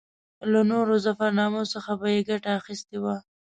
له نورو ظفرنامو څخه به یې ګټه اخیستې وي.